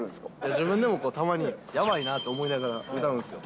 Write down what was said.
自分でもたまに、やばいなと思いながら歌うんすよ。